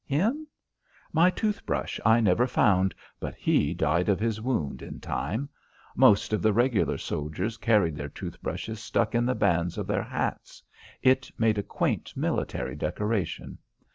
Him? My tooth brush I never found, but he died of his wound in time. Most of the regular soldiers carried their tooth brushes stuck in the bands of their hats. It made a quaint military decoration.